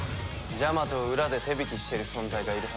ジャマトを裏で手引きしてる存在がいるはずだ。